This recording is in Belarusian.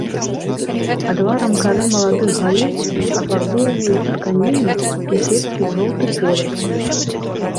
Адварам кары маладых галін афарбоўваюць тканіны і сеткі ў жоўты колер.